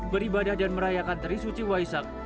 beribadah dan merayakan teri suci waisak